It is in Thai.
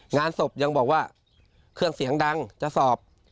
งานศพยังบอกว่าเครื่องเสียงดังจะสอบ